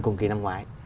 cùng kỳ năm ngoái